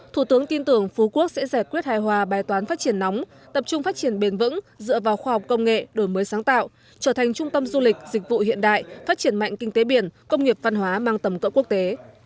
thủ tướng tin tưởng phú quốc sẽ giải quyết hài hòa bài toán phát triển nóng tập trung phát triển bền vững dựa vào khoa học công nghệ đổi mới sáng tạo trở thành trung tâm du lịch dịch vụ hiện đại phát triển mạnh kinh tế biển công nghiệp văn hóa mang tầm cỡ quốc tế